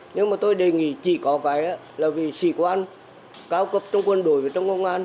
nhưng mà tôi đề nghị chỉ có cái là vị sĩ quan cao cấp trong quân đội và trong công an